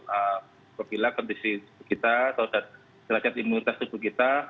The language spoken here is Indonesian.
apabila kondisi tubuh kita atau jerajat imunitas tubuh kita